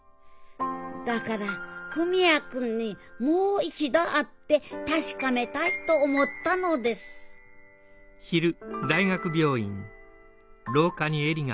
だから文也君にもう一度会って確かめたいと思ったのです上村！